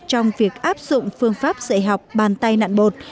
trong việc áp dụng phương pháp dạy học bàn tay nạn bột